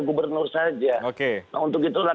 gubernur saja untuk itulah